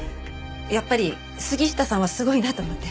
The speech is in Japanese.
やっぱり杉下さんはすごいなと思って。